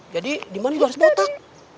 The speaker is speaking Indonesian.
jadi diman juga harus botak